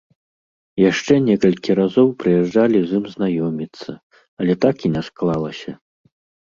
Яшчэ некалькі разоў прыязджалі з ім знаёміцца, але так і не склалася.